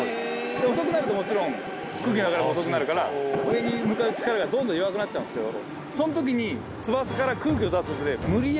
遅くなるともちろん空気の流れが遅くなるから上に向かう力がどんどん弱くなっちゃうんですけど。